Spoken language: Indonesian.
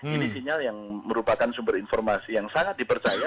ini sinyal yang merupakan sumber informasi yang sangat dipercaya